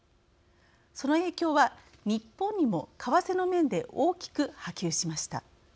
その影響は、日本にも為替の面で大きく波及しました。